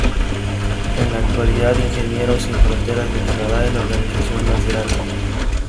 En la actualidad, Ingenieros Sin Fronteras de Canadá es la organización más grande.